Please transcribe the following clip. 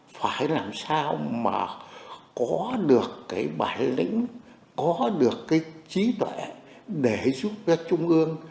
phải làm sao mà có được cái bản lĩnh có được cái trí tuệ để giúp cho trung ương